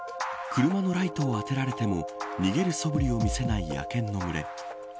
車のライトを当てられても逃げるそぶりを見せない野犬の群れ。